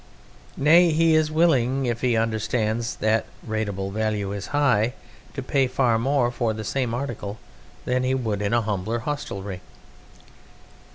Nay, he is willing if he understands that that rateable value is high to pay far more for the same article than he would in a humbler hostelry.